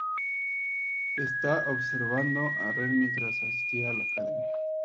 Estado observando a Ren mientras asistía a la academia.